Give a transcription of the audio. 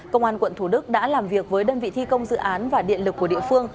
công an quận thủ đức đã làm việc với đơn vị thi công dự án và điện lực của địa phương